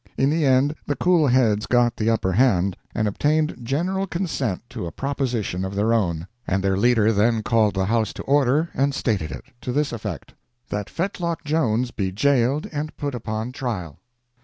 Finally the cool heads got the upper hand, and obtained general consent to a proposition of their own; their leader then called the house to order and stated it to this effect: that Fetlock Jones be jailed and put upon trial.